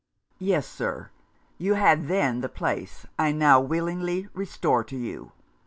'Yes, Sir you had then the place I now willingly restore to you.